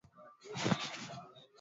Fursa za kilimo cha viazi lishe